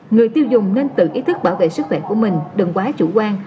người tiêu dùng nên tự ý thức bảo vệ sức khỏe của mình đừng quá chủ quan